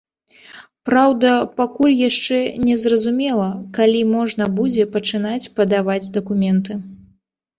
Праўда, пакуль яшчэ незразумела, калі можна будзе пачынаць падаваць дакументы.